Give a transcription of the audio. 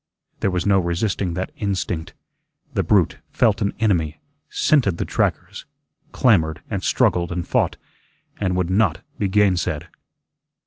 There was no resisting that instinct. The brute felt an enemy, scented the trackers, clamored and struggled and fought, and would not be gainsaid.